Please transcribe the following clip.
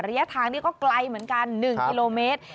ระยะทางนี้ก็ไกลเหมือนกัน๑กิโลเมตร